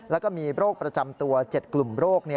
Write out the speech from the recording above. แล้วก็มีโรคประจำตัว๗กลุ่มโรค